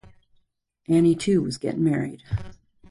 Annie, too, was getting married.